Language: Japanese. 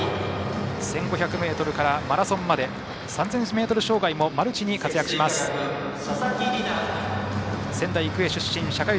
１５００ｍからマラソンまで３０００ｍ障害もマルチに活躍します、吉川。